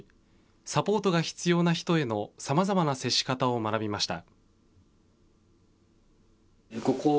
サポートが必要な人へのさまざまな接し方を学びました。